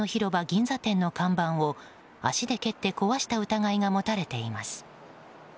銀座店の看板を足で蹴って壊した疑いが持たれています。